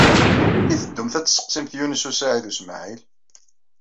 I teddumt ad tesseqsimt Yunes u Saɛid u Smaɛil?